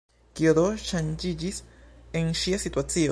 Kio do ŝanĝiĝis en ŝia situacio?